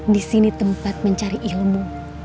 disini tempat mencari ilmu